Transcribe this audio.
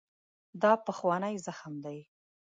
دا پخوانی زخم دی.